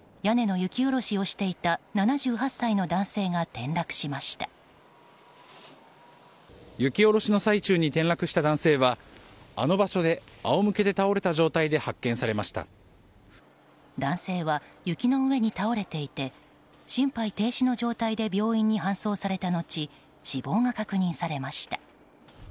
雪下ろしの最中に転落した男性はあの場所で仰向けで倒れた状態で男性は雪の上に倒れていて心肺停止の状態で病院に搬送された後死亡が確認されました。